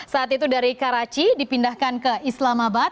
saat itu dari karachi dipindahkan ke islamabad